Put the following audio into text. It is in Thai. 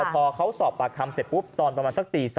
พอเขาสอบปากคำเสร็จปุ๊บตอนประมาณสักตี๓